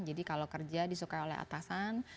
jadi kalau kerja disukai oleh atasan